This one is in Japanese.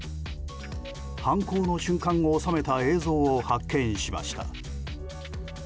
犯行の瞬間を収めた映像を発見しました。